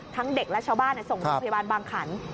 เด็กและชาวบ้านส่งโรงพยาบาลบางขัน